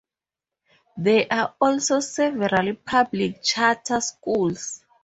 There are also several public charter schools.